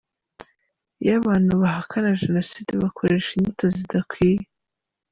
Iyo abantu bahakana Jenoside, bakoresha inyito zidakwiye.